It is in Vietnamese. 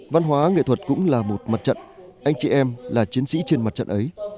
văn hóa nghệ thuật cũng là một mặt trận anh chị em là chiến sĩ trên mặt trận ấy